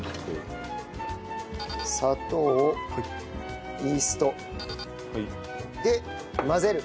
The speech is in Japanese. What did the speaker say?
砂糖イースト。で混ぜる。